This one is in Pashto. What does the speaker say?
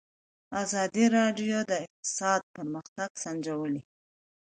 ازادي راډیو د اقتصاد پرمختګ سنجولی.